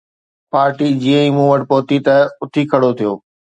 party جيئن ئي مون وٽ پهتي ته اٿي کڙو ٿيو